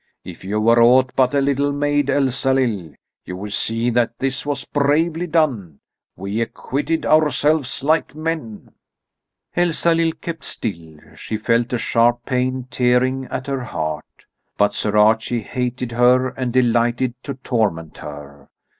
If you were aught but a little maid, Elsalill, you would see that this was bravely done. We acquitted ourselves like men." Elsalill kept still; she felt a sharp pain tearing at her heart. But Sir Archie hated her and delighted to torment her.